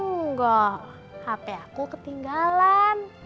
enggak hape aku ketinggalan